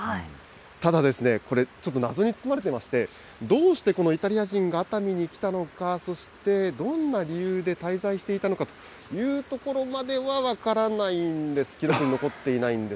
ただですね、これ、ちょっと謎に包まれていまして、どうしてこのイタリア人が熱海に来たのか、そして、どんな理由で滞在していたのかというところまでは分からないんです、記録残っていないんです。